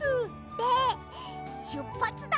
で「しゅっぱつだ！